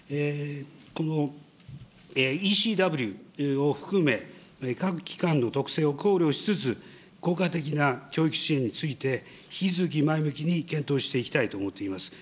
このＥＣＷを含め、各機関の特性を考慮しつつ、効果的な教育支援について、引き続き前向きに検討していきたいと思っています。